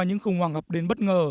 những khủng hoảng gặp đến bất ngờ